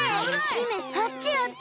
姫あっちあっち！